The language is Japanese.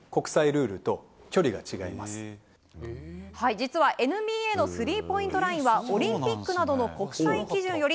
実は、ＮＢＡのスリーポイントラインはオリンピックなどの国際基準より